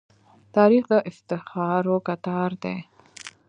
تاریخ د افتخارو کتار دی.